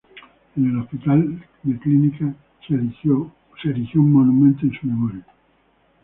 En el hospital de Clínicas se erigió un monumento en su memoria.